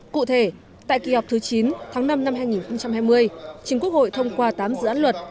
cụ thể tại kỳ họp thứ chín tháng năm năm hai nghìn hai mươi chính quốc hội thông qua tám dự án luật